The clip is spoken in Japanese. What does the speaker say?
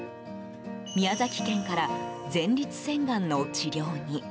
宮崎県から前立腺がんの治療に。